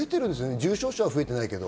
重症者は増えていないけれど。